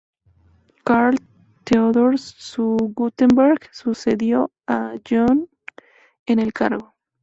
Karl- Theodor zu Guttenberg sucedió a Jung en el cargo.